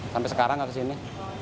sampai sekarang nggak kesini